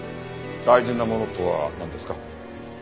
大事なものとはなんですか？